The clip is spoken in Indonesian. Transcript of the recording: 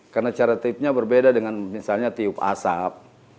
karena cara tipnya berbeda dengan misalnya tiup asap